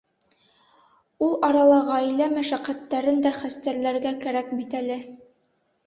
Ул арала ғаилә мәшәҡәттәрен дә хәстәрләргә кәрәк бит әле!